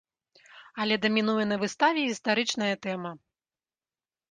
Але дамінуе на выставе гістарычная тэма.